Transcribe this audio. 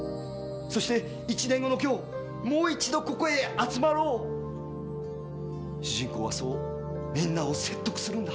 そして１年後の今日もう１度ここへ集まろう」主人公はそう皆を説得するんだ。